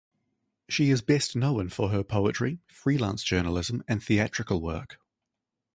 She is best known for her poetry, freelance journalism, and theatrical work.